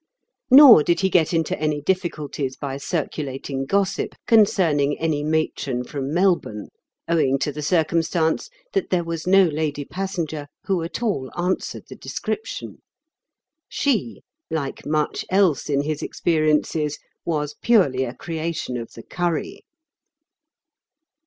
Nor did he get into any difficulties by circu lating gossip concerning any matron from Mel bourne, owing to the circumstance that there was no lady passenger who at all answered the description. She, like much else in his expe riences, was purely a creation of the curry.